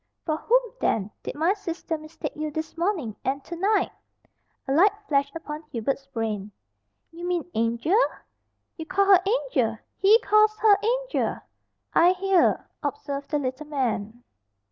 "For whom, then, did my sister mistake you this morning and to night?" A light flashed upon Hubert's brain. "You mean Angel?" "You call her Angel! He calls her Angel!" "I hear," observed the little man.